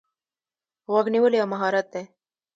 غوږ نیول یو مهارت دی.